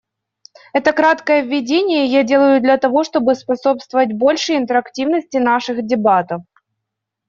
Это краткое введение я делаю для того, чтобы способствовать большей интерактивности наших дебатов.